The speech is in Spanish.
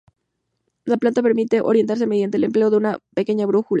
La plantilla permite orientarse mediante el empleo de una pequeña brújula.